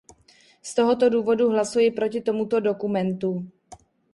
Z tohoto důvodu hlasuji proti tomuto dokumentu.